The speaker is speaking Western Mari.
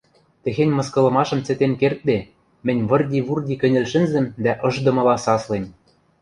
Техень мыскылымашым цӹтен кердде, мӹнь вырди-вурди кӹньӹл шӹнзӹм дӓ ышдымыла саслем: